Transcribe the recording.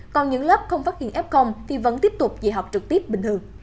còn những lớp không phát hiện f thì vẫn tiếp tục dạy học trực tiếp bình thường